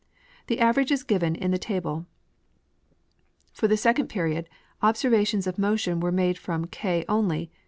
The average is given in the table For the second period, observations of motion were made from K only.